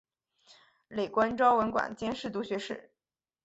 累官昭文馆兼侍读学士。